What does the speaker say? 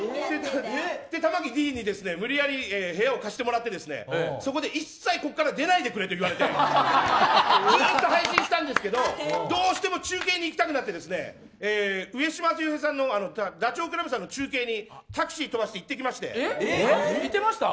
Ｄに無理やり部屋を貸してもらってそこで、一切ここから出ないでくれと言われてずっと配信してたんですけどどうしても中継に行きたくなってダチョウ倶楽部さんの中継にタクシー飛ばして行ってきました。